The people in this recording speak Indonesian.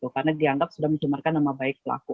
karena dianggap sudah pencemaran nama baik pelaku